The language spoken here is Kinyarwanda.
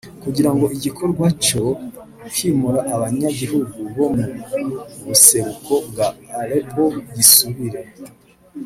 Kugira ngo igikorwa co kwimura abanyagihugu bo mu buseruko bwa Aleppo gisubire